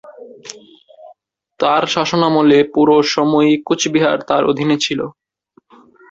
তাঁর শাসনামলের পুরো সময়ই কুচবিহার তাঁর অধীনে ছিল।